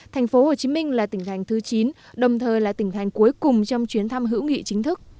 tp hcm là tỉnh thành thứ chín đồng thời là tỉnh thành cuối cùng trong chuyến thăm hữu nghị chính thức